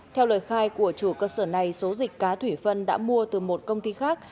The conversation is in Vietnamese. theo lời khai của chủ cơ sở này số dịch cá thủy phân đã mua từ một công ty khác